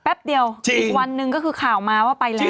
เดียวอีกวันหนึ่งก็คือข่าวมาว่าไปแล้ว